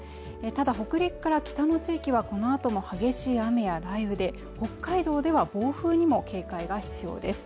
ただ北陸から北の地域はこのあとも激しい雨や雷雨で北海道では暴風にも警戒が必要です